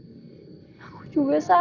yang akan saling rugi tinggal korbanku